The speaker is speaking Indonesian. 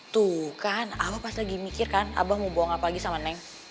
tuh kan abah pas lagi mikir kan abah mau bohong apa lagi sama neng